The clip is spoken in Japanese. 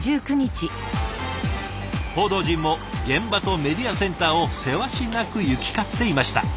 報道陣も現場とメディアセンターをせわしなく行き交っていました。